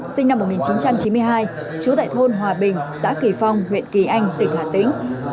sinh năm một nghìn chín trăm chín mươi hai trú tại thôn hòa bình xã kỳ phong huyện kỳ anh tỉnh hà tĩnh